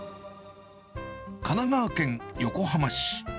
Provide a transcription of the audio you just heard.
神奈川県横浜市。